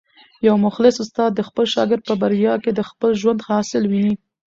یو مخلص استاد د خپل شاګرد په بریا کي د خپل ژوند حاصل ویني.